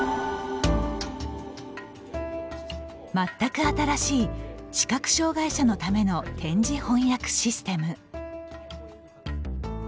全く新しい視覚障害者のための点字翻訳システム。